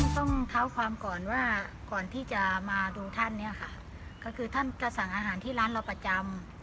ต้องเท้าความก่อนว่าก่อนที่จะมาดูท่านเนี่ยค่ะก็คือท่านจะสั่งอาหารที่ร้านเราประจำ